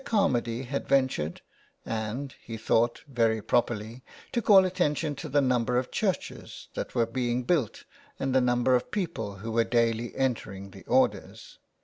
Carmady had ventured, and, he thought, very properly, to call attention to the number of churches that were being built and the number of people who were daily entering the orders.